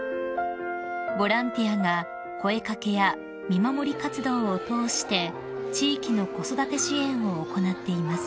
［ボランティアが声掛けや見守り活動を通して地域の子育て支援を行っています］